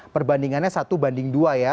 perbandingannya satu banding dua ya